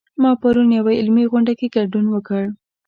ما پرون یوه علمي غونډه کې ګډون وکړ